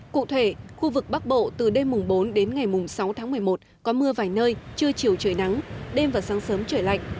cụ thể khu vực bắc bộ từ đêm mùng bốn đến ngày mùng sáu tháng một mươi một có mưa vài nơi chưa chiều trời nắng đêm và sáng sớm trời lạnh